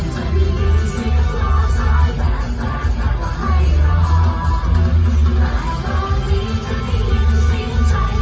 ใจโคตรถูกหักดึงหักดึงแล้วเสียหัวดินในดีช่วงไฟ